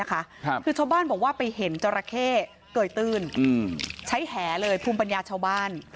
คือชาวบ้านบอกว่าไปเห็นจราเข้เกยตื้นใช้แหเลยภูมิปัญญาชาวบ้าน